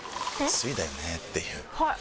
「翠」だよねっていうふぁい